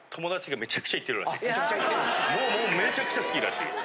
めちゃくちゃ好きらしいです。